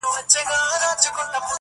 o يو بل هلک چوپ پاتې کيږي,